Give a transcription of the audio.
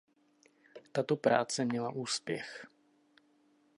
Tato práce měla úspěch.